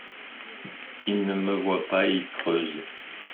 Il ne me voit pas… il creuse.